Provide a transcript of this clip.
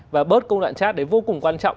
và bớt công đoạn chát đấy vô cùng quan trọng